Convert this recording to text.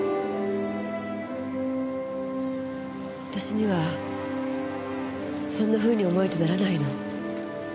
私にはそんなふうに思えてならないの。